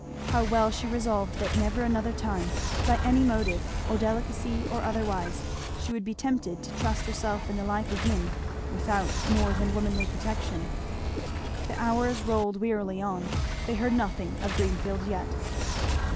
how well she resolved that never another time, by any motive, of delicacy or otherwise, she would be tempted to trust herself in the like again without more than womanly protection. The hours rolled wearily on; they heard nothing of Greenfield yet.